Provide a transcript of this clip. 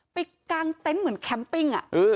ไปกางเต้นเหมือนแคมป์ปิ้ง